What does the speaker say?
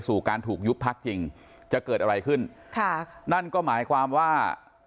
สู่การถูกยุบพักจริงจะเกิดอะไรขึ้นค่ะนั่นก็หมายความว่า